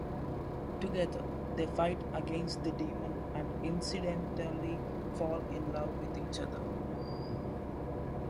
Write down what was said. Together, they fight against the demon and incidentally fall in love with each other.